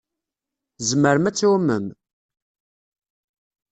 Tzemrem ad tɛummem.